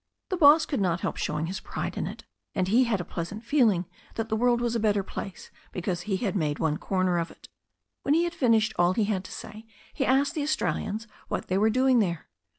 The boss could not help showing his pride in it. And he had a pleasant feeling that the world was a better place because he had made one corner of it. When he had finished all he had to say, he asked the Aus tralians what they were doing there.